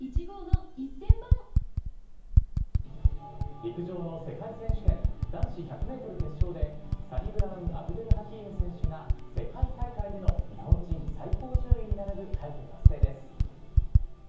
陸上の世界選手権男子１００メートル決勝で、サニブラウン・アブデルハキーム選手が世界大会での日本人最高順位に並ぶ快挙達成です。